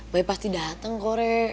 boy pasti dateng kok re